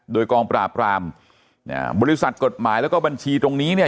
โดยกองปราบรามอ่าบริษัทกฎหมายแล้วก็บัญชีตรงนี้เนี่ย